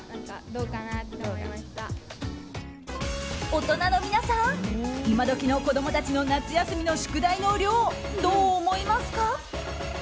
大人の皆さん今時の子供たちの夏休みの宿題の量どう思いますか？